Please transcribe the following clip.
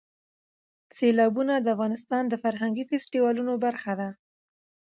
سیلابونه د افغانستان د فرهنګي فستیوالونو برخه ده.